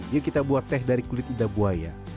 yuk kita buat teh dari kulit lidah buaya